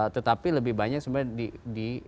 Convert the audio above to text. tetapi lebih banyak sebenarnya di